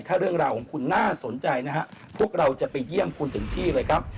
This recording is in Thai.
ถ้าเรื่องราวของคุณน่าสนใจนะฮะพวกเราจะไปเยี่ยมคุณถึงที่เลยครับ